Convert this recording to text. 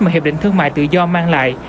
mà hiệp định thương mại tự do mang lại